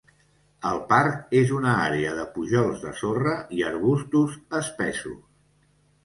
El parc és una àrea de pujols de sorra i arbustos espessos.